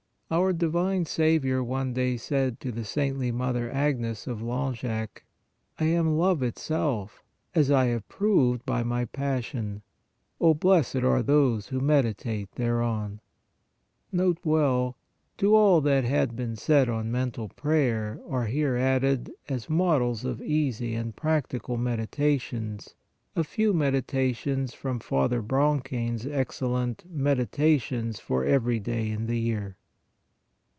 Our divine Saviour one day said to the saintly Mother Agnes of Lan 1 70 PRAYER geac :" I am love itself, as I have proved by My passion. Oh ! blessed are those who meditate there on!" N. B. To all that had been said on mental prayer are here added, as models of easy and practical medi tations a few meditations from Father Bronchain s excellent " Meditations for every day in the year."